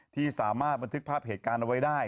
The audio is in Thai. ที่สามารถบันทึกภาพเหตุการณ์เอาไว้ได้